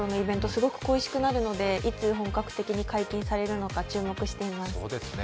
すごく恋しくなるのでいつ本格的に解禁されるのか注目しています。